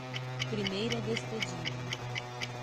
Primeira despedida